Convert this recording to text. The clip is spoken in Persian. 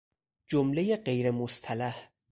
جملهی غیر مصطلح